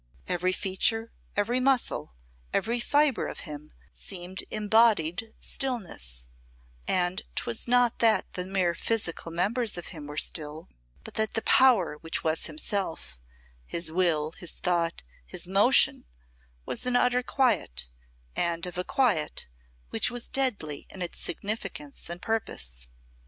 Every feature, every muscle, every fibre of him seemed embodied stillness, and 'twas not that the mere physical members of him were still, but that the power which was himself, his will, his thought, his motion was in utter quiet, and of a quiet which was deadly in its significance and purpose.